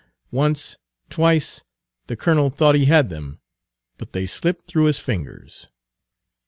Once, twice, the colonel thought he had them, but they slipped through his fingers.